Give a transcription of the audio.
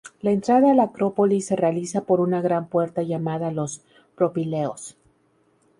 La entrada a la Acrópolis se realiza por una gran puerta llamada los Propileos.